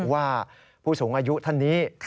ว่าผู้สูงอายุท่านนี้